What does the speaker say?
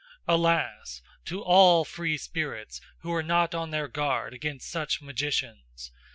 Alas, to all free spirits who are not on their guard against SUCH magicians!